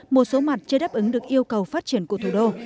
một số mặt chưa đáp ứng được yêu cầu phát triển của thủ đô